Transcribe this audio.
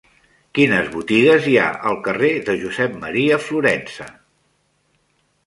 Quines botigues hi ha al carrer de Josep M. Florensa?